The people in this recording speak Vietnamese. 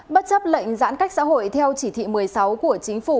bất chấp lệnh giãn cách xã hội theo chỉ thị một mươi sáu của chính phủ